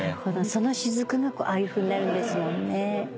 その滴がああいうふうになるんですもんね。